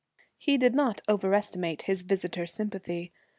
He did not overestimate his visitor's sympathy.